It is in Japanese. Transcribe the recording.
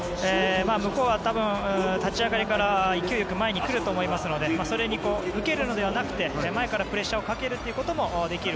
向こうは多分、立ち上がりから勢い良く前に来ると思いますのでそれに受けるのではなくて前からプレッシャーをかけることもできる